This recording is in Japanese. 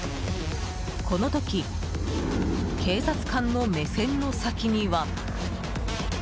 この時、警察官の目線の先には。